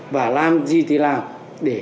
và làm gì thì làm để